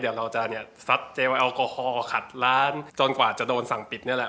เดี๋ยวเราจะเนี่ยซัดเจลแอลกอฮอลขัดร้านจนกว่าจะโดนสั่งปิดนี่แหละ